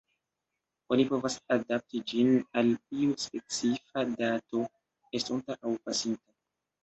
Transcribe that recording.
Oni povas adapti ĝin al iu specifa dato estonta aŭ pasinta.